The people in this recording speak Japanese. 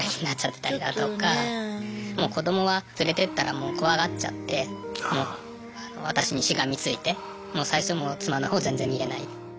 もう子どもは連れてったらもう怖がっちゃって私にしがみついて最初妻のほう全然見れない。